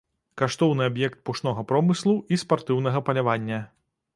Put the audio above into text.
Каштоўны аб'ект пушнога промыслу і спартыўнага палявання.